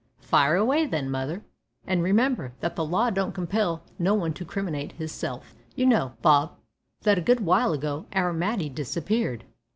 "Fire away, then, mother, an' remember that the law don't compel no one to criminate hisself." "You know, Bob, that a good while ago our Matty disappeared.